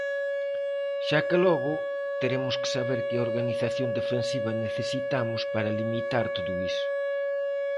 Xa que logo, teremos que saber que organización defensiva necesitamos para limitar todo iso.